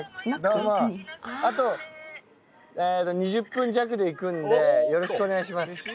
あと２０分弱で行くんでよろしくお願いします。